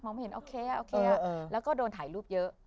ไม่เห็นโอเคโอเคแล้วก็โดนถ่ายรูปเยอะ